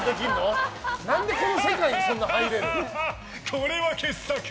これは傑作。